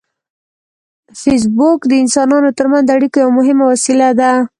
فېسبوک د انسانانو ترمنځ د اړیکو یو مهم وسیله ده